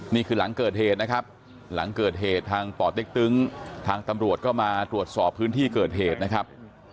นี่คือหลังเกิดเหตุนะครับหลังเกิดเหตุทางป่อเต็กตึงทางตำรวจก็มาตรวจสอบพื้นที่เกิดเหตุนะครับ